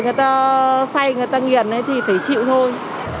người ta say người ta nghiền thì phải chịu thôi